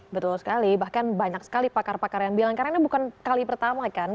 betul sekali bahkan banyak sekali pakar pakar yang bilang karena ini bukan kali pertama kan